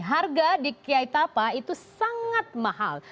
harga di kiai tapa itu sangat mahal